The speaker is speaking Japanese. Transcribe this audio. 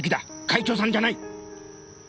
会長さんじゃない！